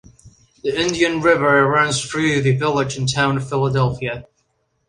The Indian River runs through the village and Town of Philadelphia.